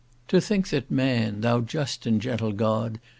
To think that man, thou just and gentle God!